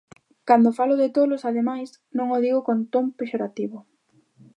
Cando falo de tolos, ademais, non o digo con ton pexorativo.